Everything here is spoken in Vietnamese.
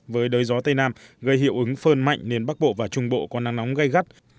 với đới gió tây nam gây hiệu ứng phơn mạnh nên bắc bộ và trung bộ có nắng nóng gây gắt